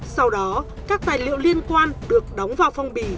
sau đó các tài liệu liên quan được đóng vào phong bì